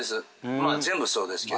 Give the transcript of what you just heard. まあ全部そうですけど。